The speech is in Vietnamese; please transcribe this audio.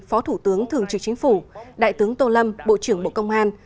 phó thủ tướng thường trực chính phủ đại tướng tô lâm bộ trưởng bộ công an